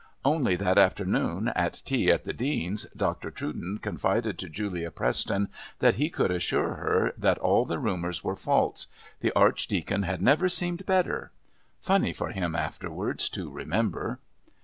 Only that afternoon, at tea at the Dean's, Dr. Trudon confided to Julia Preston that he could assure her that all the rumours were false; the Archdeacon had never seemed better...funny for him afterwards to remember!